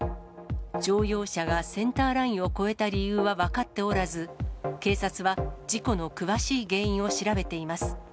乗用車がセンターラインを越えた理由は分かっておらず、警察は事故の詳しい原因を調べています。